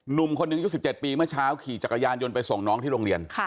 หนุ่มคนหนึ่งยุค๑๗ปีเมื่อเช้าขี่จักรยานยนต์ไปส่งน้องที่โรงเรียน